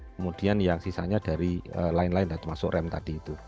kemudian yang sisanya dari lain lain termasuk rem tadi itu